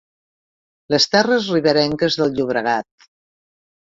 Les terres riberenques del Llobregat.